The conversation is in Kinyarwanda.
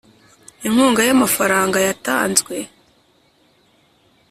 inkunga y amafaranga yatanzwe